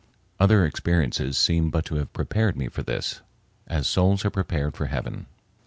Other experiences seemed but to have prepared me for this, as souls are prepared for heaven.